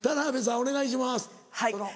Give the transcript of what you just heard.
お願いします。